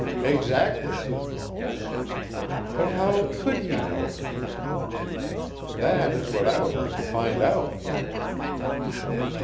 "Exactly." "But how could he know it?" "That is what I would like to find out."